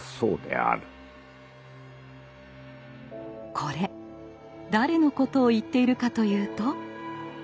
これ誰のことを言っているかというと。